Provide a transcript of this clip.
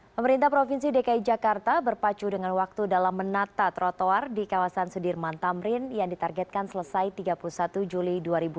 pemerintah provinsi dki jakarta berpacu dengan waktu dalam menata trotoar di kawasan sudirman tamrin yang ditargetkan selesai tiga puluh satu juli dua ribu dua puluh